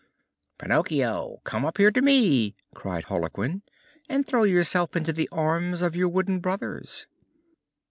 "Pinocchio, come up here to me," cried Harlequin, "and throw yourself into the arms of your wooden brothers!"